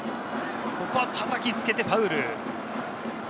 ここはたたきつけてファウル。